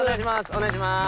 お願いします